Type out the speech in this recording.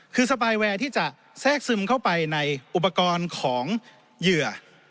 คือสปายแวร์ที่จะแทรกซึมเข้าไปในอุปกรณ์ของเหยื่อ